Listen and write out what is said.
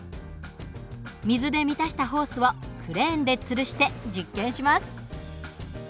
水で満たしたホースをクレーンでつるして実験します。